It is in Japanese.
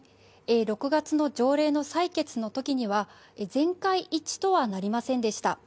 ６月の条例の採決のときには全会一致とはなりませんでした。